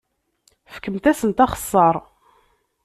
Fkemt-asent axeṣṣar.